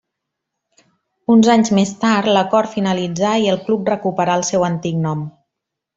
Uns anys més tard l'acord finalitzà i el club recuperà el seu antic nom.